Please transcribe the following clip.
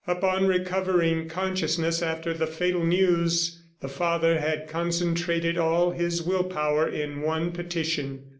Upon recovering consciousness after the fatal news, the father had concentrated all his will power in one petition.